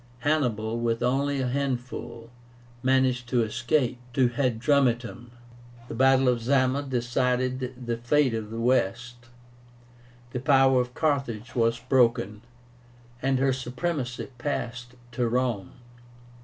Hannibal, with only a handful, managed to escape to Hadrumétum. The battle of Zama decided the fate of the West. The power of Carthage was broken, and her supremacy passed to Rome.